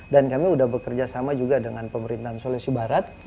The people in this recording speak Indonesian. dan kami sudah bekerja sama juga dengan pemerintahan sulawesi barat